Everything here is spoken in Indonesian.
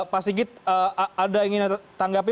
pak sigit ada yang ingin ditanggapi